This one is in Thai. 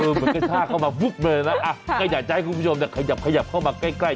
เหมือนกระชากเข้ามาเบอร์นะอยากจะให้คุณผู้ชมเขยับเขยับเข้ามาใกล้ใกล้